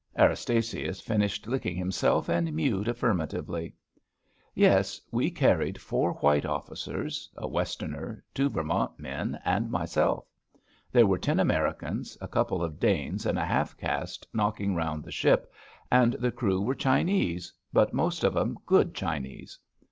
Erastasius finished licking himself and mewed affirmatively. Yes, we carried four white officers — a West erner, two Vermont men, and myself. There were ten Americans, a couple of Danes and a half caste knocking round the ship, and the crew were Chi nese, but most of 'em good Chinese.